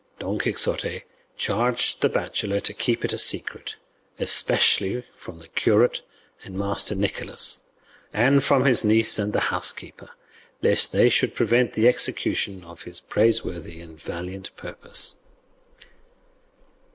Don Quixote charged the bachelor to keep it a secret, especially from the curate and Master Nicholas, and from his niece and the housekeeper, lest they should prevent the execution of his praiseworthy and valiant purpose.